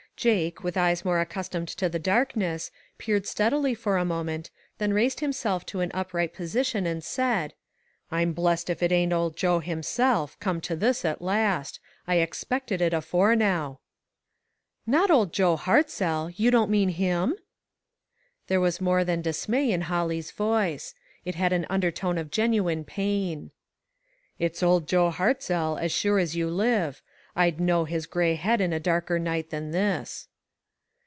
Jake, with eyes more accustomed to the darkness, peered steadily for a moment, then raised himself to an upright position and said : 41 I'm blessed if it ain't old Joe himself, come to this at last! I expected it afore now." " Not old Joe Hartzell ! you don't mean him? " There was more than dismay iu Holly's voice. It had an undertone of genuine pain. " It's old Joe Hartzell, as sure as you live. I'd know his gray head in a darker night than this."